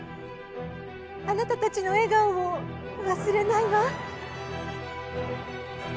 あなたたちの笑顔を忘れないわ。